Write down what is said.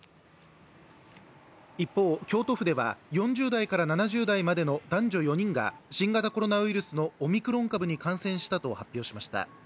一方、京都府では４０代から７０代までの男女４人が新型コロナウイルスのオミクロン株に感染したと発表しました。